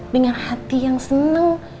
dengan hati yang seneng